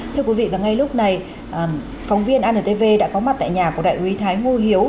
thưa quý vị và ngay lúc này phóng viên antv đã có mặt tại nhà của đại úy thái ngô hiếu